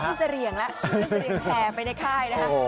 อันนี้ขึ้นเสรียงแหละขึ้นเสรียงแหละไปในค่ายนะครับ